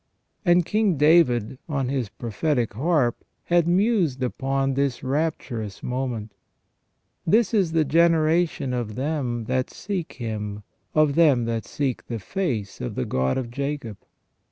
And King David, on his prophetic harp, had mused upon this rapturous moment :—" This is the generation of them that seek Him ; of them that seek the face of the God of Jacob.